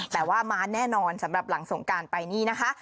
แต่ว่ามาแน่นอนสำหรับหลังสงการไปนี่นะคะ